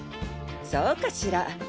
そうかしら。